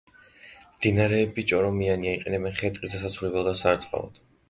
მდინარეები ჭორომიანია, იყენებენ ხე-ტყის დასაცურებლად და სარწყავად.